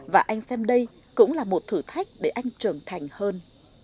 và anh xem đây cũng là một thử thách để anh trưởng thành hơn